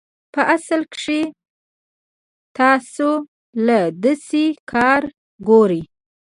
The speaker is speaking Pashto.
پۀ اصل کښې تاسو له داسې کار ګوري